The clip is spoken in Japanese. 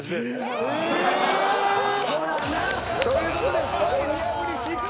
ええっ！という事でスパイ見破り失敗！